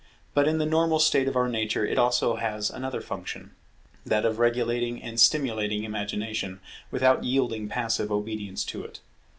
But in the normal state of our nature it has also another function; that of regulating and stimulating Imagination, without yielding passive obedience to it.